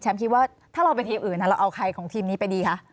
คิดว่าถ้าเราเป็นทีมอื่นเราเอาใครของทีมนี้ไปดีคะ